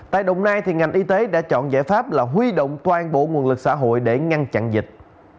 tại đồng nai ngành y tế đã chọn giải pháp là huy động toàn bộ nguồn lực xã hội để ngăn chặn dịch